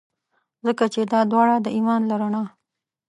ځکه چي دا داوړه د ایمان له رڼا.